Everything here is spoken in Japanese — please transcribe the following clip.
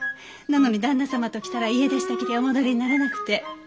なのに旦那様ときたら家出したきりお戻りにならなくて。